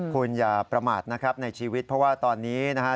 คุณอย่าประมาทนะครับในชีวิตเพราะว่าตอนนี้นะฮะ